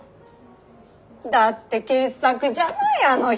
だって傑作じゃないあの人。